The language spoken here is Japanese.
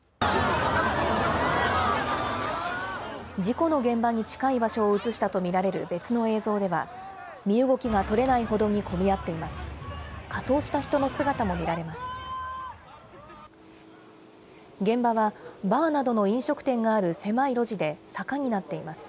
事故の現場に近い場所を写したと見られる別の映像では、身動きが取れないほどに混み合っています。